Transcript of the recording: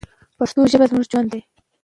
پښتو ژبه زموږ ژوند دی.